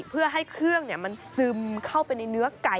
เพื่อให้เครื่องมันซึมเข้าไปในเนื้อไก่